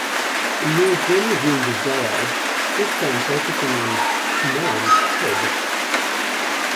Louis then resumed his barrage, this time focusing on Schmeling's head.